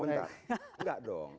sebentar enggak dong